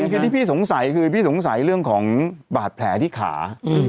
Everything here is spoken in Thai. แค่ที่พี่สงสัยคือพี่สงสัยเรื่องของบาดแผลที่ขา